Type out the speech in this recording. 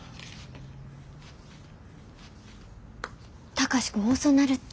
貴司君遅なるって。